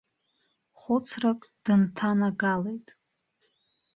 Хәыцрак дынҭанагалеит.